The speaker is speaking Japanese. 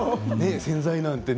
洗剤なんてね